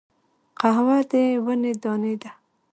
قهوه د ونې دانی دي